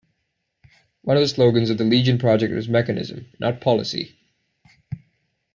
One of the slogans of the Legion project is mechanism, not policy!